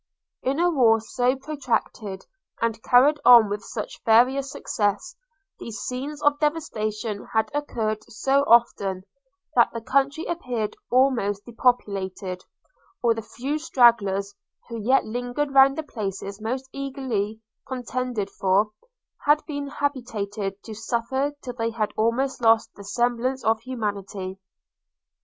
In a war so protracted, and carried on with such various success, these scenes of devastation had occurred so often, that the country appeared almost depopulated, or the few stragglers, who yet lingered round the places most eagerly contended for, had been habituated to suffer till they had almost lost the semblance of humanity.